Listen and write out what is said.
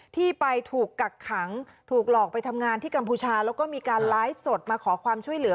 ที่ไปถูกกักขังถูกหลอกไปทำงานที่กัมพูชาแล้วก็มีการไลฟ์สดมาขอความช่วยเหลือ